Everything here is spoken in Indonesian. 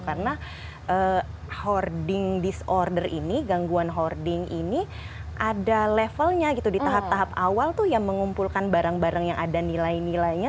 karena hoarding disorder ini gangguan hoarding ini ada levelnya gitu di tahap tahap awal tuh yang mengumpulkan barang barang yang ada nilai nilainya